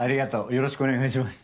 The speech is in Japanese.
よろしくお願いします。